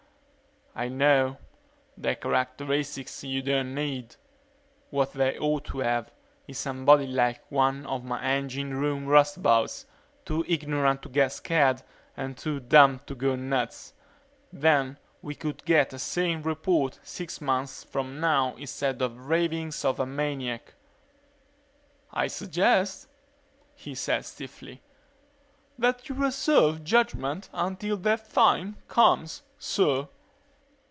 "I know the characteristics you don't need. What they ought to have is somebody like one of my engine room roustabouts, too ignorant to get scared and too dumb to go nuts. Then we could get a sane report six months from now instead of the ravings of a maniac." "I suggest," he said stiffly, "that you reserve judgement until that time comes, sir."